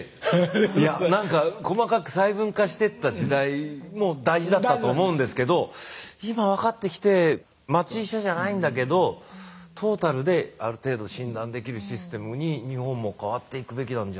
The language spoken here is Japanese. いやなんか細かく細分化してった時代も大事だったと思うんですけど今分かってきて町医者じゃないんだけどトータルである程度診断できるシステムに日本も変わっていくべきなんじゃないか。